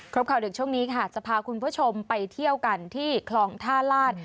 ข่าวดึกช่วงนี้ค่ะจะพาคุณผู้ชมไปเที่ยวกันที่คลองท่าลาศ